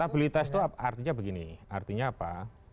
stabilitas itu artinya begini artinya apa